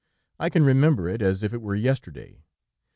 I can remember it, as if it were yesterday.